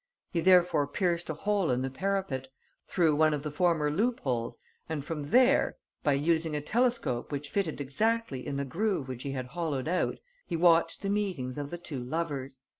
He therefore pierced a hole in the parapet, through one of the former loopholes, and from there, by using a telescope which fitted exactly in the grove which he had hollowed out, he watched the meetings of the two lovers.